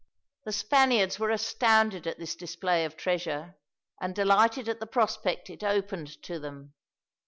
The Spaniards were astounded at this display of treasure, and delighted at the prospect it opened to them.